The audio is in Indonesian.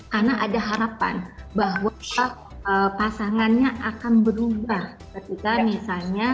karena ada harapan bahwa pasangannya akan berubah ketika misalnya